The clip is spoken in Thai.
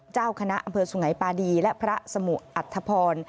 เจ้าคณะอำเภอสุงัยปาดีและพระสมุอัธพร